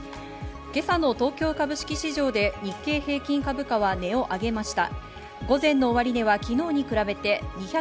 今朝の東京株式市場で日経平均株価は値を上げました。